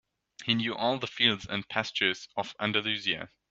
He knew all the fields and pastures of Andalusia.